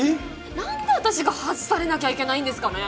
何で私が外されなきゃいけないんですかね